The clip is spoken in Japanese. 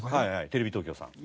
テレビ東京さん。